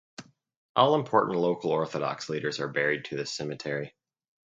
All important local orthodox leaders are buried to this cemetery.